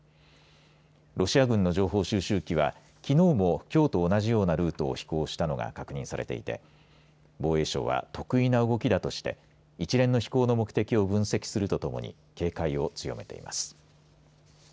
ロシア軍の情報収集機はきのうもきょうと同じようなルートを飛行したのが確認されていて防衛省は、特異な動きだとして一連の飛行の目的を分析するとともに警戒を強めています。